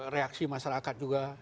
reaksi masyarakat juga